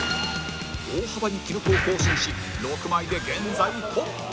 大幅に記録を更新し６枚で現在トップ！